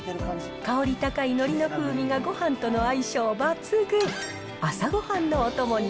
香り高いのりの風味がごはんとの相性抜群。